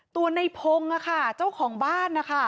ตัวนายพงษ์เจ้าของบ้าน